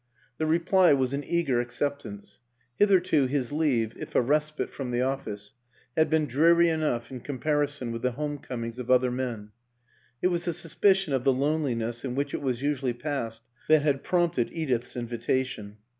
The reply was an eager ac ceptance ; hitherto his leave, if a respite from the office, had been dreary enough in comparison with the home comings of other men it was a sus picion of the loneliness in which it was usually passed that had prompted Edith's invitation.